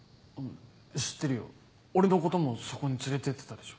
知ってるよ俺のこともそこに連れてってたでしょ？